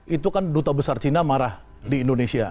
itu kan duta besar cina marah di indonesia